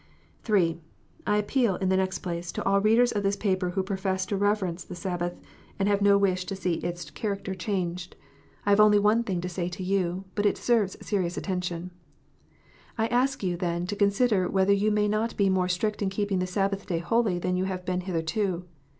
(3) I appeal, in the next place, to all readers of this paper icho profess to reverence the Sabbath, and have no wish to see 320 KNOTS UNTIED. its character changed. I have only one thing to say to you, but it deserves serious attention. I ask you, then, to consider whether you may not be more strict in keeping the Sabbath Day holy than you have been hitherto.